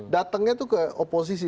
datangnya itu ke oposisi